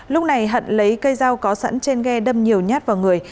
lúc này hận lấy cây dao có sẵn trên ghe đâm nhiều nhát vào người